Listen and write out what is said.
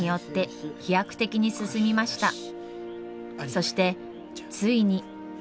そしてついに。